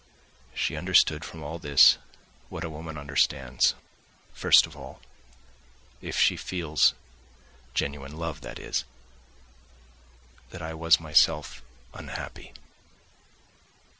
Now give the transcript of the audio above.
She understood from all this what a woman understands first of all, if she feels genuine love, that is, that I was myself unhappy.